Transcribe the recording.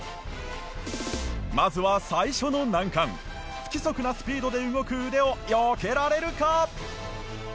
まずは最初の難関不規則なスピードで動く腕をよけられるか？